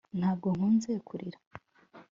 ntabwo nkunze kurira